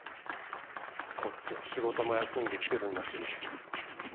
こっちは仕事も休んで来てるんだし。